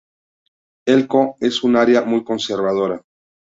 Elko es un área muy conservadora.